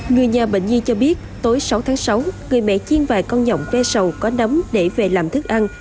người nhà bệnh di cho biết tối sáu tháng sáu người mẹ chiên vài con nhọng ve sầu có nắm để về làm thức ăn